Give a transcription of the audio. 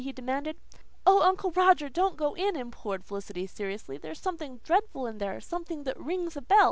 he demanded. "Oh, Uncle Roger, don't go in," implored Felicity seriously. "There's something dreadful in there something that rings a bell.